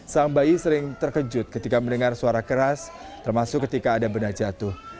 sang bayi sering terkejut ketika mendengar suara keras termasuk ketika ada benda jatuh